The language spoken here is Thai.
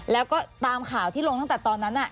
แล้วก็ตามข่าวที่ลงตั้งแต่ตอนนั้น